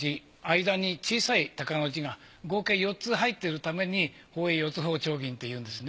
間に小さい宝の字が合計４つ入ってるために宝永四ツ宝丁銀っていうんですね。